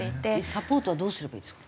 サポートはどうすればいいですか？